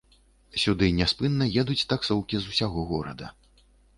Сюды няспынна едуць таксоўкі з усяго горада.